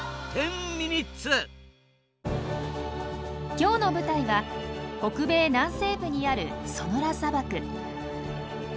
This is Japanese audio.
今日の舞台は北米南西部にあるソノラ砂漠。